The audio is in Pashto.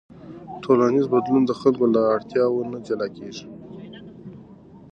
ټولنیز بدلون د خلکو له اړتیاوو نه جلا کېږي.